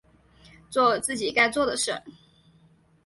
作自己该做的事